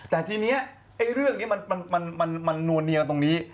แต่ทีนี้เรื่องนี้มันนัวเนียตรงนี้